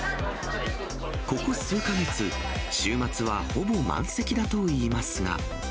ここ数か月、週末はほぼ満席だといいますが。